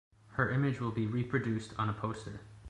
Her image will be reproduced on a poster.